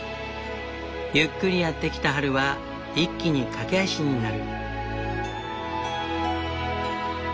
ゆっくりやって来た春は一気に駆け足になる。